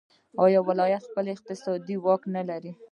آیا ولایتونه خپل اقتصادي واک نلري؟